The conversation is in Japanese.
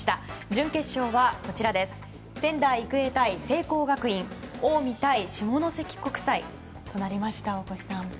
準決勝は仙台育英対聖光学院近江対下関国際となりました大越さん。